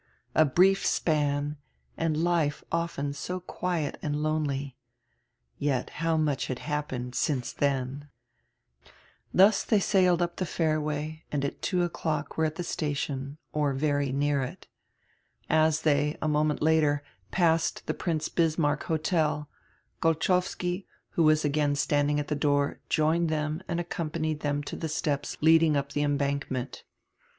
A brief span, and life often so quiet and lonely. Yet how much had happened since dien! Thus diey sailed up die fairway and at two o'clock were at die station or very near it. As they, a moment later, passed die Prince Bismarck Hotel, Golchowski, who was again standing at die door, joined diem and accompanied diem to die steps leading up die embankment.